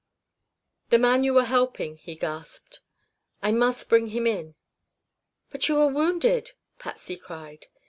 "The man you were helping," he gasped. "I must bring him in." "But you are wounded " Patsy cried.